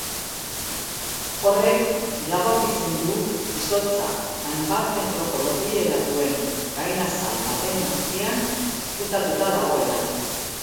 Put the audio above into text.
Horrek iradokitzen du izotza hainbat metroko lodiera duen gainazal baten azpian ezkutatuta dagoela.